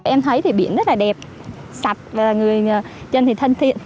em thấy thì biển rất là đẹp sạch và người dân thì thân thiện